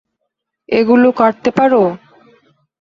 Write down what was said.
এগুলো কাটতে পারো।